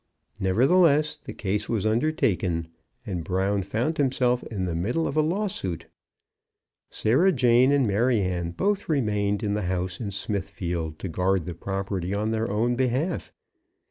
Nevertheless, the case was undertaken, and Brown found himself in the middle of a lawsuit. Sarah Jane and Maryanne both remained in the house in Smithfield to guard the property on their own behalf.